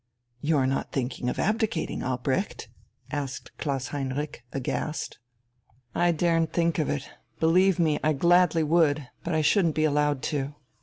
"You're not thinking of abdicating, Albrecht?" asked Klaus Heinrich, aghast. "I daren't think of it. Believe me, I gladly would, but I shouldn't be allowed to.